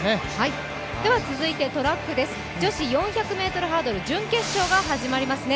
続いてトラックです、女子４００ｍハードル準決勝が始まりますね。